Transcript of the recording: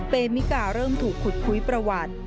เมมิกาเริ่มถูกขุดคุยประวัติ